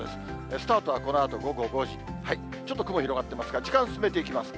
スタートはこのあと午後５時、ちょっと雲広がってますが、時間進めていきます。